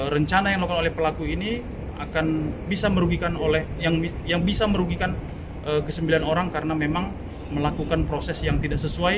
rencana yang dilakukan oleh pelaku ini akan bisa merugikan ke sembilan orang karena memang melakukan proses yang tidak sesuai